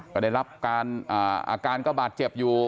ก็ได้รับการอาการก็บาดเจ็บอยู่